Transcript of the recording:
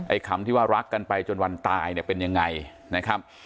คำที่ว่ารักกันไปจนวันตายเนี่ยเป็นยังไงนะครับ